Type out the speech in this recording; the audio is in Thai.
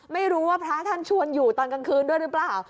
ไม่รู้ว่าพระท่านชวนอยู่ตอนกลางคืนด้วยหรือเปล่า